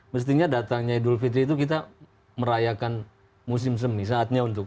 mestinya datangnya idul fitri itu kita merayakan musim semi saatnya untuk